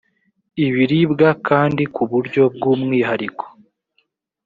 ibiribwa kandi ku buryo bw umwihariko